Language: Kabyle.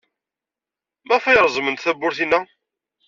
Maɣef ay reẓment tawwurt-inna?